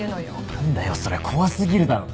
何だよそれ怖過ぎるだろ。